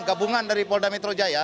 gabungan dari polda metro jaya